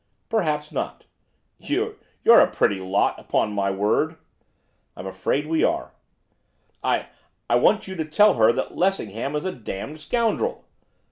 'Perhaps not.' 'You you're a pretty lot, upon my word!' 'I'm afraid we are.' 'I I want you to tell her that Lessingham is a damned scoundrel.